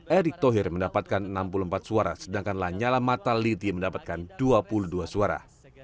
erick thohir mendapatkan enam puluh empat suara sedangkan lanyala mataliti mendapatkan dua puluh dua suara